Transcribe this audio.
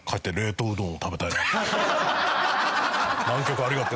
南極ありがとう。